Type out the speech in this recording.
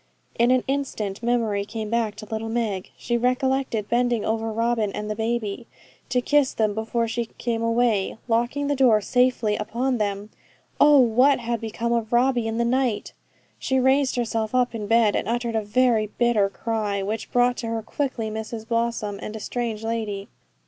In an instant memory came back to little Meg. She recollected bending over Robin and the baby to kiss them before she came away, and locking the door safely upon them. Oh! what had become of Robbie in the night? She raised herself up in bed, and uttered a very bitter cry, which brought to her quickly Mrs Blossom and a strange lady.